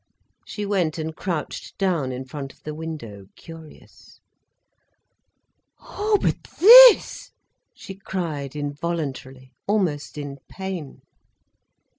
She went and crouched down in front of the window, curious. "Oh, but this—!" she cried involuntarily, almost in pain.